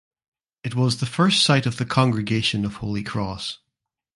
It was the first site of the Congregation of Holy Cross.